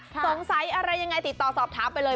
สงสัยอะไรยังไงติดต่อสอบถามไปเลย